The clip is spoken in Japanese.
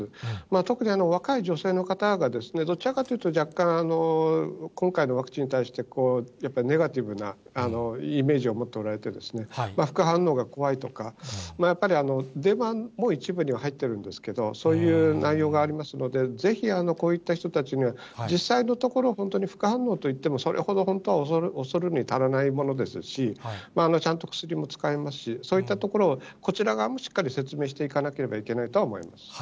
特に、若い女性の方がどちらかというと、若干今回のワクチンに対して、やっぱりネガティブなイメージを持っておられて、副反応が怖いとか、やっぱりデマも一部には入っているんですけれども、そういう内容がありますので、ぜひこういった人たちには実際のところ、本当に副反応といっても、それほど本当はおそるるに足らないものですし、ちゃんと薬も使えますし、そういったところは、こちら側もしっかり説明していかなければいけないとは思います。